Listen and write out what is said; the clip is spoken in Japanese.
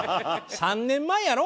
３年前やろ？